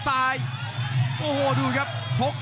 กรรมการเตือนทั้งคู่ครับ๖๖กิโลกรัม